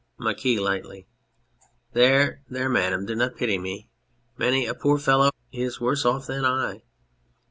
MARQUIS (lightly]. There ! there ! Madam, do not pity me. Many a poor fellow is worse off than I.